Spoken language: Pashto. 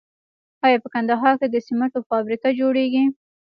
آیا په کندهار کې د سمنټو فابریکه جوړیږي؟